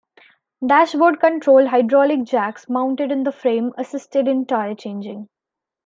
Dashboard controlled hydraulic jacks mounted in the frame assisted in tire changing.